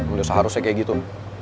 udah seharusnya kayak gitu